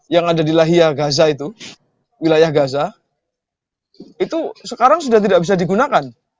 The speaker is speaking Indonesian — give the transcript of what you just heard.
yang ada di lahia gaza itu wilayah gaza itu sekarang sudah tidak bisa digunakan